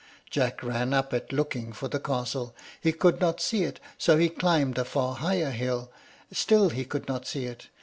Jack ran up it, looking for the castle. He could not see it, so he climbed a far higher hill; still he could not see it.